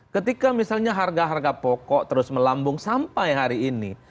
ketika misalnya harga harga pokok terus melambung sampai hari ini